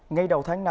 ngay đầu tháng năm